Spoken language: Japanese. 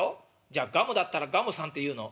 「じゃあガムだったらガムさんって言うの？」。